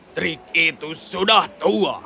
trik itu sudah tua